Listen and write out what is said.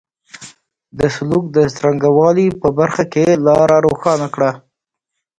د سلوک د څرنګه والي په برخه کې لاره روښانه کړه.